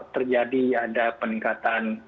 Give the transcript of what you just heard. terjadi ada peningkatan